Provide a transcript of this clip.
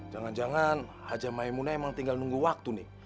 jangan jangan haja maimuna emang tinggal nunggu waktu nih